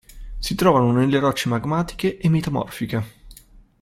Si trovano nelle rocce magmatiche e metamorfiche.